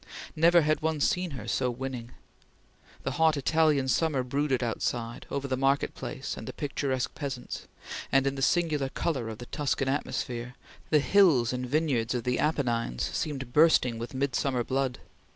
Never had one seen her so winning. The hot Italian summer brooded outside, over the market place and the picturesque peasants, and, in the singular color of the Tuscan atmosphere, the hills and vineyards of the Apennines seemed bursting with mid summer blood.